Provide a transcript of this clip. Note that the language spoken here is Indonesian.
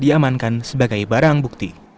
diamankan sebagai barang bukti